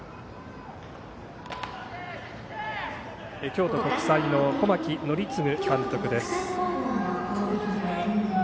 京都国際の小牧憲継監督です。